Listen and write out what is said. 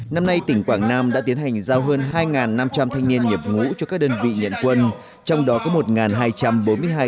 năm nay tỉnh quảng nam đã tiến hành giao hơn hai năm trăm linh thanh niên nhập ngũ cho các đơn vị nhận quân trong đó có một hai trăm bốn mươi hai thanh niên đạt sức khỏe loại một và loại hai